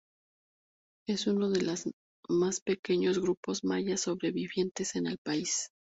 Es uno de las más pequeños grupos mayas sobrevivientes en el país.